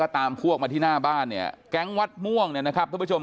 ตามพวกมาที่หน้าบ้านเนี่ยแก๊งวัดม่วงเนี่ยนะครับทุกผู้ชม